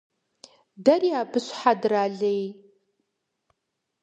Дэри абы щхьэ дралей.